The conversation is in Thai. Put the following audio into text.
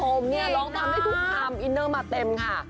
ร้องตามได้ทุกคลามอินเนอร์มาเต็มค่ะ